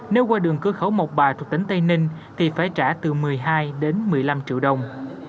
nếu qua đường cửa khẩu mộc bài thuộc tỉnh tây ninh thì phải trả từ một mươi hai đến một mươi năm triệu đồng